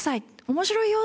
面白いよ！」